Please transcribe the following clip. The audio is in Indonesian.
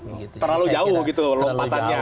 terlalu jauh gitu lompatannya